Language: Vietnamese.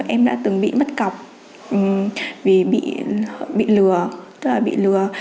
em đã từng bị mất cọc vì bị lừa